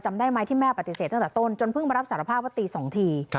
ได้ไหมที่แม่ปฏิเสธตั้งแต่ต้นจนเพิ่งมารับสารภาพว่าตี๒ที